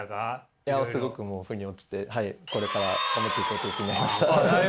いやすごくもうふに落ちてこれから頑張っていこうという気になりました。